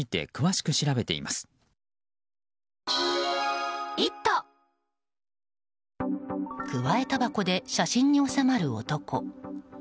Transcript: くわえたばこで写真に収まる男。